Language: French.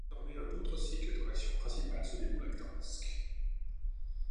Il écrit désormais un autre cycle dont l'action principale se déroule à Gdańsk.